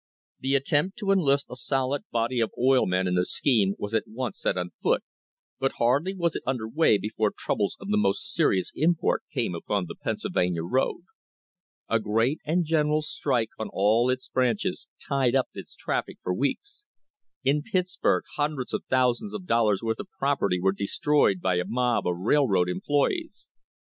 The attempt to enlist a solid body of oil men in the scheme was at once set on foot, but hardly was it under way before troubles of most serious import came upon the Pennsylvania road. A great and general strike on all its branches tied up its traffic for weeks. In Pittsburg hundreds of thousands of dollars' worth of property were destroyed by a mob of railroad employees.